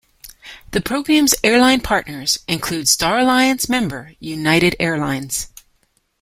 The program's airline partners include Star Alliance member United Airlines.